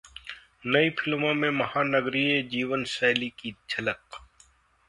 नई फिल्मों में महानगरीय जीवनशैली की झलक